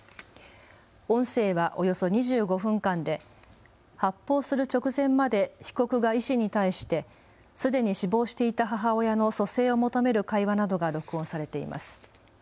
音声はおよそ２５分間で発砲する直前まで被告が医師に対してすでに死亡していた母親の蘇生を求める会話などが録音されています。